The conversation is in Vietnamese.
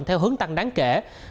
theo hướng tăng đáng kể